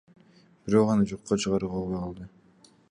Бирок аны жокко чыгарууга болбой калды.